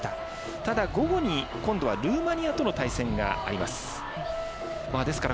ただ、午後に、今度はルーマニアとの対戦があります。